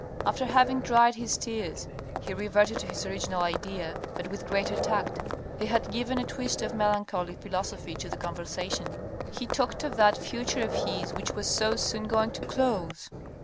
After having dried his tears, he reverted to his original idea, but with greater tact. He had given a twist of melancholy philosophy to the conversation. He talked of that future of his which was so soon going to close.